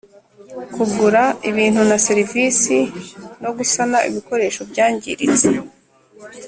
kugura ibintu na serivisi no gusana ibikoresho byangiritse;